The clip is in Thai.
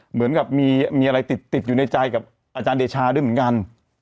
เหมือนกับมีอะไรติดอยู่ในใจกับอาจารย์เดชาด้วยเหมือนกัน